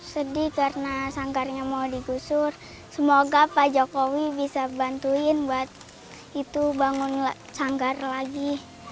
sedih karena sanggarnya mau digusur semoga pak jokowi bisa bantuin buat itu bangun sanggar lagi